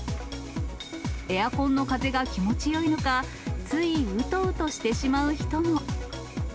エアコンの風が気持ちよいのか、ついうとうとしてしまう人も。